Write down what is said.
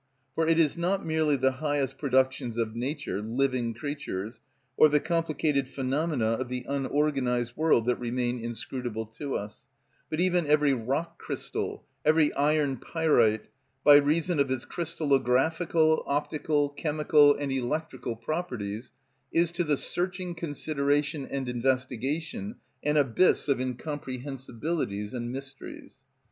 For it is not merely the highest productions of nature, living creatures, or the complicated phenomena of the unorganised world that remain inscrutable to us, but even every rock crystal, every iron pyrite, by reason of its crystallographical, optical, chemical, and electrical properties, is to the searching consideration and investigation an abyss of incomprehensibilities and mysteries.